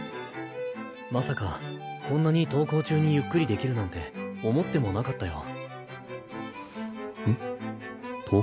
まさかこんなに登校中にゆっくりできるなんて思ってもなかったよ。